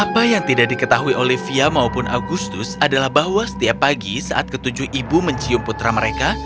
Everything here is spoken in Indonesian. apa yang tidak diketahui olivia maupun agustus adalah bahwa setiap pagi saat ketujuh ibu mencium putra mereka